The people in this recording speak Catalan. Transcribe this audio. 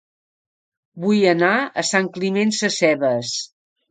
Vull anar a Sant Climent Sescebes